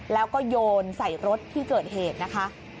แล้วก็โยนใส่รถที่เกิดเหตุนะคะ